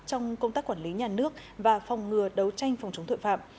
trong công tác quản lý nhà nước và phòng ngừa đấu tranh phòng chống tội phạm